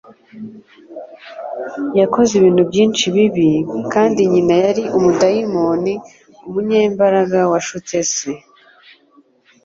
Yakoze ibintu byinshi bibi, kandi nyina yari umudayimoni, umunyembaraga washutse se.